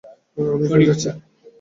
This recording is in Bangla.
আমি ফিরে যাচ্ছি।